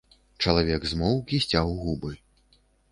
Чалавек змоўк і сцяў губы.